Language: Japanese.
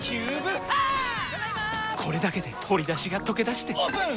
これだけで鶏だしがとけだしてオープン！